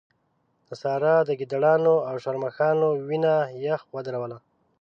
د سارا د ګيدړانو او شرموښانو وينه يخ ودروله.